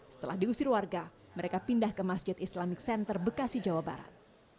setelah diusir warga mereka pindah ke masjid islamic center bekasi jawa barat